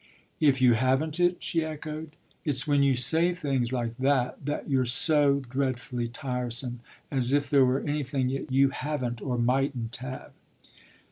"If you haven't it?" she echoed. "It's when you say things like that that you're so dreadfully tiresome. As if there were anything that you haven't or mightn't have!"